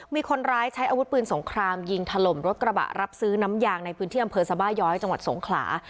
มีคนร้ายใช้อาวุธปืนสงครามยิงถล่มรถกระบะรับซื้อน้ำยางในพื้นที่อำเภอสบาย้อยจังหวัดสงขลา